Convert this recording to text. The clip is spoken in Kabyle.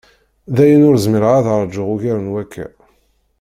Dayen, ur zmireɣ ad rjuɣ ugar n wakka.